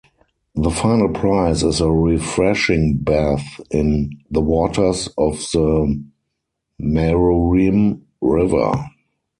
The final prize is a refreshing bath in the waters of the Maruim River.